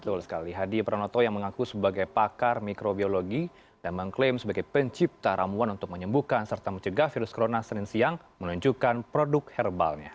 betul sekali hadi pranoto yang mengaku sebagai pakar mikrobiologi dan mengklaim sebagai pencipta ramuan untuk menyembuhkan serta mencegah virus corona senin siang menunjukkan produk herbalnya